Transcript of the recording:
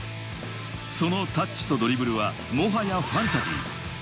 そのタッチとドリブルは、もはやファンタジー。